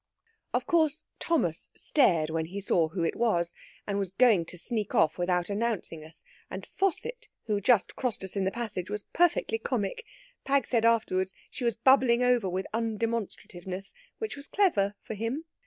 "Of course, Thomas stared when he saw who it was, and was going to sneak off without announcing us, and Fossett, who just crossed us in the passage, was perfectly comic. Pag said afterwards she was bubbling over with undemonstrativeness, which was clever for him.